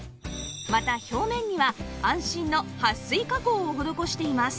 また表面には安心のはっ水加工を施しています